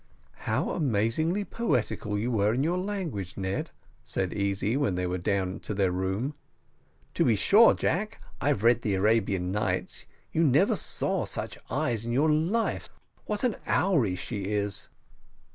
"How amazingly poetical you were in your language, Ned," said Easy, when they went into their room. "To be sure, Jack, I've read the Arabian Nights. You never saw such eyes in your life: what a houri she is!"